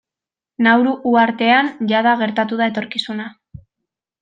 Nauru uhartean jada gertatu da etorkizuna.